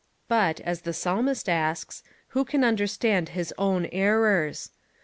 But, as the psalmist asks, who can under stand his own errors ?